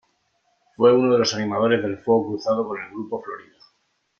Fue uno de los animadores del fuego cruzado con el grupo Florida.